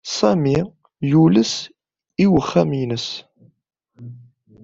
Sami yules i uxxam-nnes.